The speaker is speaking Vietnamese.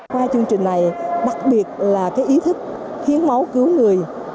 qua chương trình này đặc biệt là ý thức hiến máu cứu người